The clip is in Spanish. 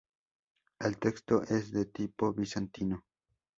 El texto es de tipo bizantino.